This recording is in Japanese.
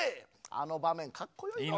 あの場面かっこよいのう。